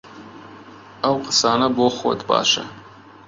ئەو قسانە بۆ خۆت باشە!